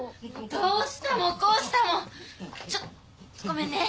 どうしたもこうしたもちょごめんね。